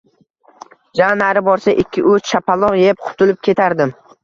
Ja nari borsa, ikki-uch shapaloq yeb qutulib ketardim